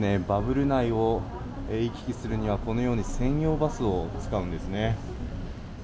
バブル内を行き来するにはこのように専用バスを使うんですね。